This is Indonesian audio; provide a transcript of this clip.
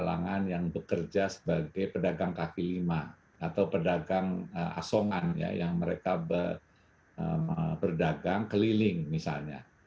kalangan yang bekerja sebagai pedagang kaki lima atau pedagang asongan yang mereka berdagang keliling misalnya